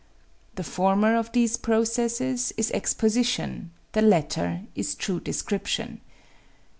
The former of these processes is exposition, the latter is true description.